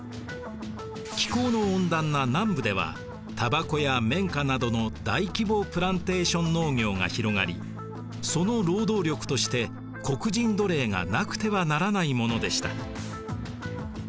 気候の温暖な南部ではタバコや綿花などの大規模プランテーション農業が広がりその労働力として黒人奴隷がなくてはならないものでした。